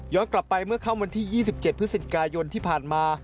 กลับไปเมื่อค่ำวันที่๒๗พฤศจิกายนที่ผ่านมา